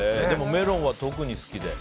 メロンは特に好きで。